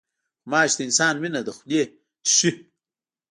غوماشې د انسان وینه له خولې څښي.